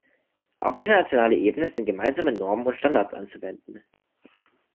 Auf internationaler Ebene sind gemeinsame Normen und Standards anzuwenden.